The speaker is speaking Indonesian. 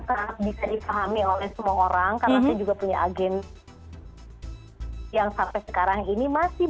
sangat bisa dipahami oleh semua orang karena saya juga punya agenda yang sampai sekarang ini masih